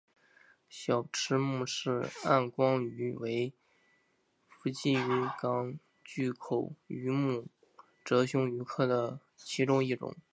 小翅穆氏暗光鱼为辐鳍鱼纲巨口鱼目褶胸鱼科的其中一种。